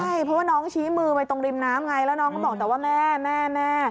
ใช่เพราะว่าน้องชี้มือไปตรงริมน้ำไงแล้วน้องก็บอกแต่ว่าแม่แม่แม่